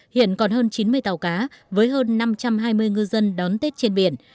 hiện còn hơn chín mươi tàu cá với hơn năm trăm hai mươi ngư dân đón tết trên biển